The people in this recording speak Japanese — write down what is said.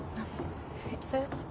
どういうこと？